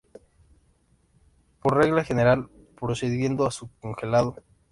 Por regla general, procediendo a su congelado.